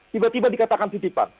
tiba tiba dikatakan titipan